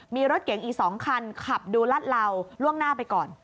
มีรถเก๋งอีก๒คันขับดูรัดเหลาล่วงหน้าไปก่อน